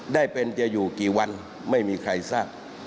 ได้เป็นจะอยู่กี่วันไม่มีใครทราบ